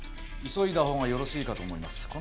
急いだ方がよろしいかと思います。